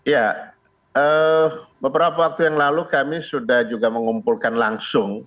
ya beberapa waktu yang lalu kami sudah juga mengumpulkan langsung